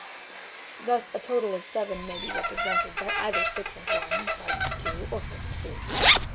(Thus a total of seven may be represented by either six and one, five and two, or four and three.)